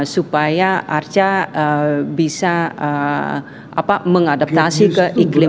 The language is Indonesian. supaya arca bisa mengadaptasi ke iklim